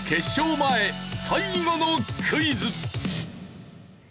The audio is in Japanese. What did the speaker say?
前最後のクイズ。